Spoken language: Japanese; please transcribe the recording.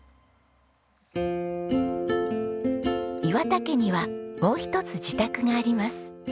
岩田家にはもう一つ自宅があります。